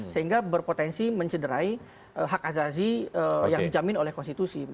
sehingga berpotensi mencederai hak azazi yang dijamin oleh konstitusi